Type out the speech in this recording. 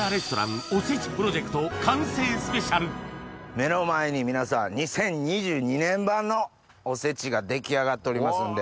目の前に皆さん２０２２年版のおせちが出来上がっておりますんで。